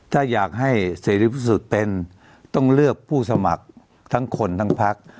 ถ้าอยากให้เสรีพิสุทธิ์เป็นต้องเลือกผู้สมัครทั้งคนทั้งพัก